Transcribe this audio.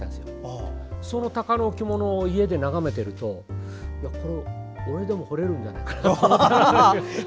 そのタカの置物を家で眺めていると俺でも彫れるんじゃないかなって。